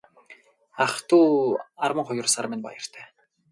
Ах дүү арван хоёр сар минь баяртай.